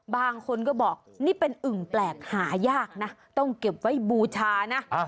บางคนก็บอกนี่เป็นอึ่งแปลกหายากนะต้องเก็บไว้บูชานะ